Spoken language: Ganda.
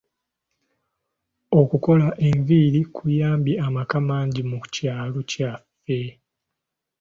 Okukola enviiri kuyambye amaka mangi mu kyalo kyaffe.